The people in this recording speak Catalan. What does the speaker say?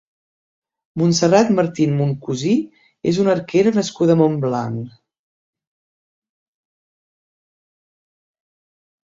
Montserrat Martín Moncusí és una arquera nascuda a Montblanc.